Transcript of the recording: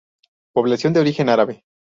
Población de origen árabe.